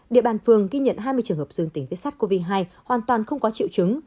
địa bàn phường ghi nhận hai mươi trường hợp dương tính viết sắt covid một mươi chín hoàn toàn không có triệu chứng